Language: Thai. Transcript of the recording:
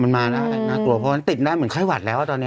มันมาน่ากลัวเพราะมันติดได้เหมือนไข้หวัดแล้วตอนนี้